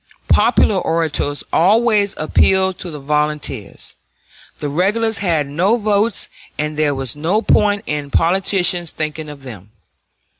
Popular orators always appealed to the volunteers; the regulars had no votes and there was no point in politicians thinking of them.